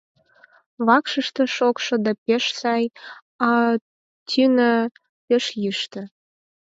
Вакшыште шокшо да пеш сай, а тӱнӧ пеш йӱштӧ.